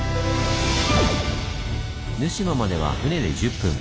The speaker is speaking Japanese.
沼島までは船で１０分。